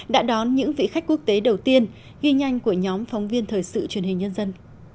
đã đón những vị khách quốc tế đầu tiên ghi nhanh của nhóm phóng viên thời sự truyền hình nhân dân